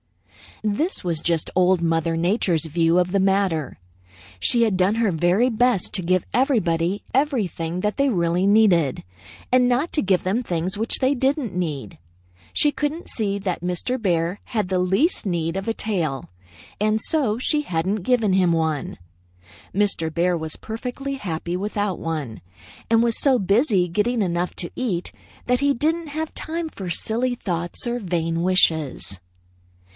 "This was just Old Mother Nature's view of the matter. She had done her very best to give everybody everything that they really needed, and not to give them things which they didn't need. She couldn't see that Mr. Bear had the least need of a tail, and so she hadn't given him one. Mr. Bear was perfectly happy without one, and was so busy getting enough to eat that he didn't have time for silly thoughts or vain wishes.